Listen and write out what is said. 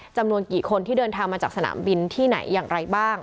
จำนวนกี่คนที่เดินทางมาจากสนามบินที่ไหนอย่างไรบ้าง